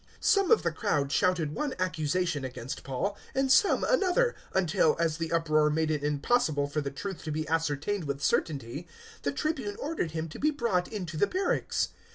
021:034 Some of the crowd shouted one accusation against Paul and some another, until, as the uproar made it impossible for the truth to be ascertained with certainty, the Tribune ordered him to be brought into the barracks.